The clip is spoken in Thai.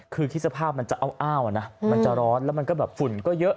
คือคิดสภาพมันจะอ้าวนะมันจะร้อนแล้วมันก็แบบฝุ่นก็เยอะ